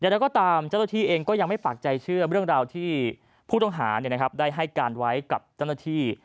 เราก็ตามเจ้าหน้าที่เองก็ยังไม่ปากใจเชื่อเรื่องราวที่ผู้ต้องหาได้ให้การไว้กับเจ้าหน้าที่